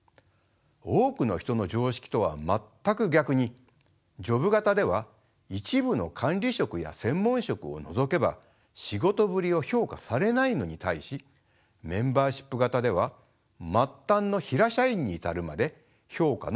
多くの人の常識とは全く逆にジョブ型では一部の管理職や専門職を除けば仕事ぶりを評価されないのに対しメンバーシップ型では末端のヒラ社員に至るまで評価の対象となります。